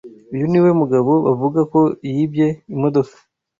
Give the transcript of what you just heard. Uyu niwe mugabo bavuga ko yibye imodoka.